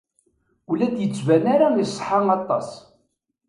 Ur la d-yettban ara iṣeḥḥa aṭas.